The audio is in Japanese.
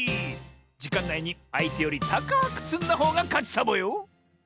じかんないにあいてよりたかくつんだほうがかちサボよ！